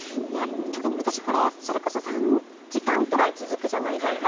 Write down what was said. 特に私、これそれこそ３時間くらい続くじゃないですか。